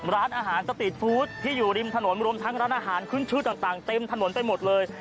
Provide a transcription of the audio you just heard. ร้านอาหารสตีทฟู้ดที่อยู่ริมถนนรวมทั้งร้านอาหารขึ้นชื่อต่างเต็มถนนไปหมดเลย